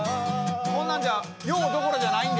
こんなんじゃ用どころじゃないんで。